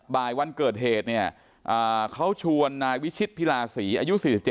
บ่ายวันเกิดเหตุเนี่ยเขาชวนนายวิชิตพิลาศรีอายุ๔๗